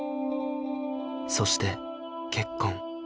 そして結婚